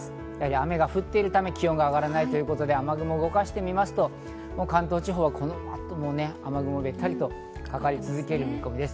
雨が降っているため気温が上がらないということで雨雲を動かしてみると、関東地方は雨雲がベったりとかかり続ける見込みです。